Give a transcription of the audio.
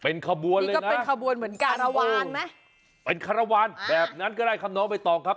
เป็นขบวนเลยนะเป็นขบวนแบบนั้นก็ได้ครับน้องใบตองครับ